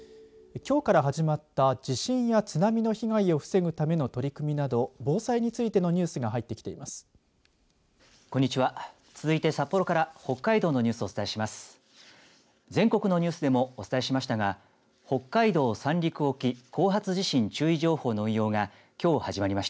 きょうから始まった地震や津波の被害を防ぐための取り組みなど防災についてのニュースが入ってきています。